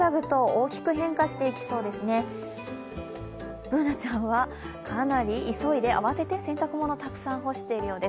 Ｂｏｏｎａちゃんはかなり急いで慌てて洗濯物を干しているようです。